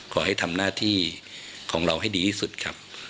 ขอให้ทำหน้าที่ของเราให้ดีที่สุดครับ